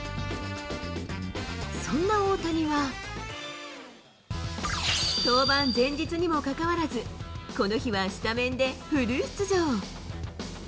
そんな大谷は、登板前日にもかかわらず、この日はスタメンでフル出場。